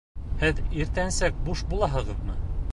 Һеҙ иртәнсәк буш булаһығыҙмы?